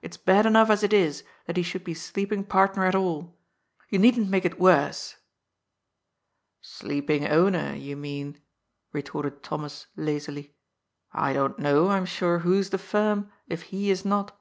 It's bad enough, as it is, that he should be sleeping partner at all. You needn't make it worse !" "Sleeping owner, you mean," retorted Thomas lazily. " I don't know, I'm sure, who's the firm, if he is not."